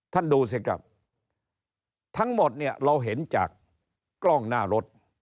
ท่านดูสิครับทั้งหมดเนี่ยเราเห็นจากกล้องหน้ารถ